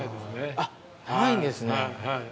あっないんですね。